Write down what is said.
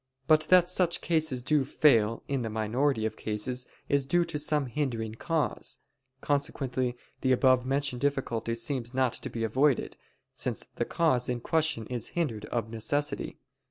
But that such causes do fail in the minority of cases is due to some hindering cause; consequently the above mentioned difficulty seems not to be avoided, since the cause in question is hindered of necessity.